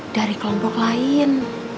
dari kelompok lain